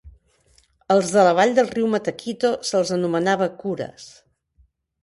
Als de la vall del riu Mataquito se'ls anomenava cures.